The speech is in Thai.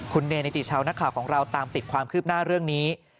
คุณเนนิติชาวนักข่าวของเราตามติดความคืบหน้าเรื่องนี้